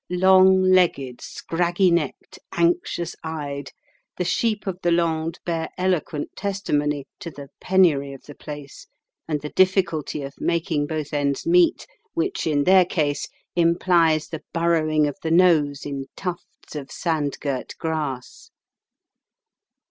Long legged, scraggy necked, anxious eyed, the sheep of the Landes bear eloquent testimony to the penury of the place and the difficulty of making both ends meet which in their case implies the burrowing of the nose in tufts of sand girt grass.